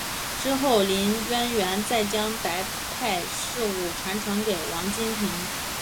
之后林渊源再将白派事务传承给王金平。